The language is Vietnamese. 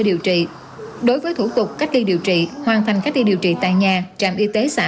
điều trị đối với thủ tục cách ly điều trị hoàn thành cách ly điều trị tại nhà trạm y tế xã